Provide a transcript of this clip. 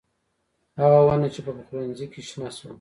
هغه ونه چې په پخلنخي کې شنه شوه